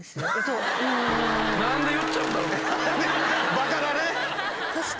バカだね！